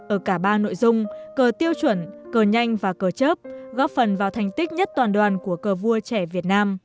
ở cả ba nội dung cờ tiêu chuẩn cờ nhanh và cờ chớp góp phần vào thành tích nhất toàn đoàn của cờ vua trẻ việt nam